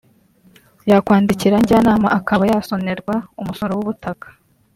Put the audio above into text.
yakwandikira njyanama akaba yasonerwa umusoro w’ubutaka